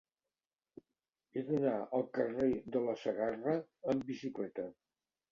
He d'anar al carrer de la Segarra amb bicicleta.